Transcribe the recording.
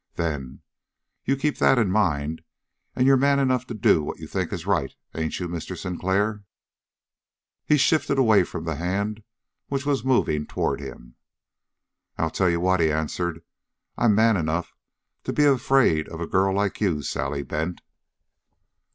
Then: "you'll keep that in mind, and you're man enough to do what you think is right, ain't you, Mr. Sinclair?" He shifted away from the hand which was moving toward him. "I'll tell you what," he answered. "I'm man enough to be afraid of a girl like you, Sally Bent."